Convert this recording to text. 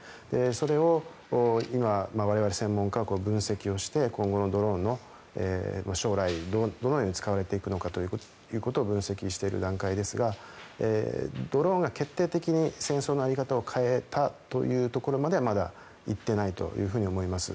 それを今、我々専門家は分析をして今後のドローンの将来どのように使われていくかということを分析している段階ですがドローンが決定的に戦争の在り方を変えたというところまではまだ行っていないと思います。